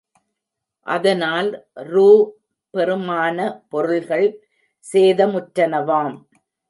அதனால் ரூ. பெறுமான பொருள்கள் சேதமுற்றனவாம்.